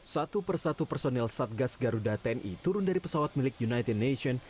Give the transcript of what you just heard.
satu persatu personel satgas garuda tni turun dari pesawat milik united nations